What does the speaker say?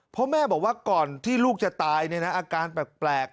เพราะแม่บอกว่าก่อนที่ลูกจะตายเนี่ยนะอาการแปลก